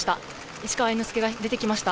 市川猿之助が出てきました。